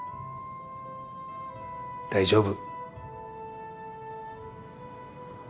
大丈夫！